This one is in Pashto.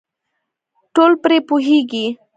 ټول پرې پوهېږي .